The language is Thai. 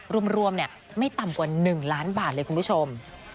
รวมไม่ต่ำกว่า๑ล้านบาทเลยคุณผู้ชม